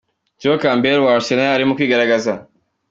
Joel Campbell wa Arsenal arimo kwigaragaza.